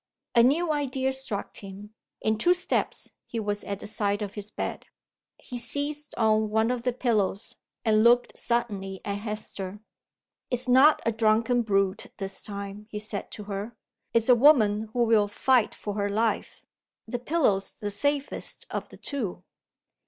A new idea struck him. In two steps he was at the side of his bed. He seized on one of the pillows, and looked suddenly at Hester. "It's not a drunken brute, this time," he said to her. "It's a woman who will fight for her life. The pillow's the safest of the two."